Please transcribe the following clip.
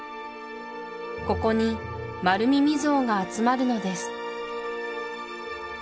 ここにマルミミゾウが集まるのです